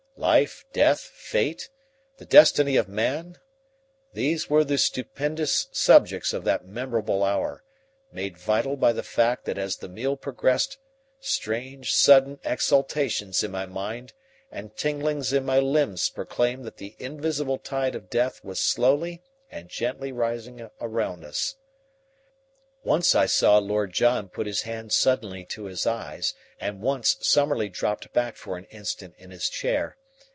Life, death, fate, the destiny of man these were the stupendous subjects of that memorable hour, made vital by the fact that as the meal progressed strange, sudden exaltations in my mind and tinglings in my limbs proclaimed that the invisible tide of death was slowly and gently rising around us. Once I saw Lord John put his hand suddenly to his eyes, and once Summerlee dropped back for an instant in his chair.